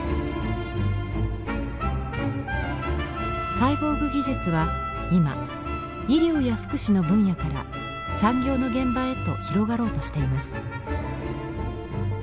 サイボーグ技術は今医療や福祉の分野から産業の現場へと広がろうとしています。